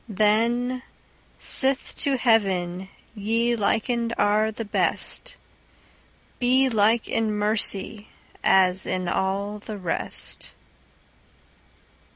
Then, sith to heaven ye likened are the best, Be like in mercy as in all the rest.